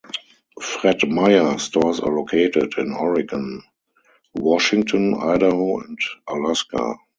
Fred Meyer stores are located in Oregon, Washington, Idaho, and Alaska.